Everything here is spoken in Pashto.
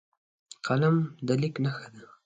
قلم د لیک نښه ده